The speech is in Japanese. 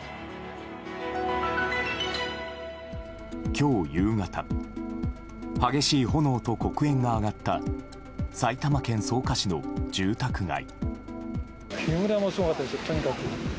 今日夕方激しい炎と黒煙が上がった埼玉県草加市の住宅街。